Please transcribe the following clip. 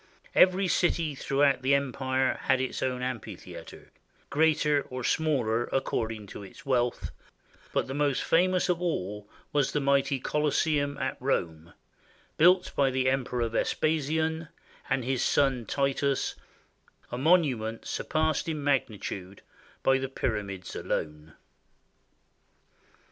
Every city throughout the empire had its own amphitheater, greater or smaller according to its wealth, but the most fa mous of all was the mighty Colosseum at Rome, built by the Emperor Vespasian and his son Titus, a monument surpassed in magnitude by the Pyramids alone.